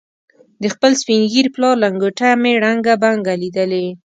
د خپل سپین ږیري پلار لنګوټه مې ړنګه بنګه لیدلې.